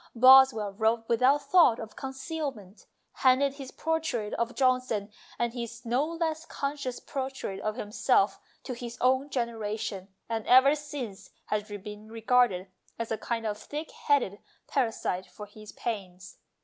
Bos well wrote without thought of concealment, handed his portrait of Johnson and his no less conscious portrait of himself to his own generation, and ever since has been regarded as a kind of thick headed parasite for his pains.